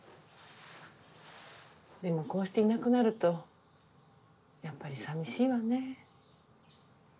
でもこうしていなくなるとやっぱり寂しいわね。